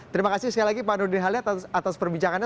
terima kasih sekali lagi pak nurdin halid atas perbincangannya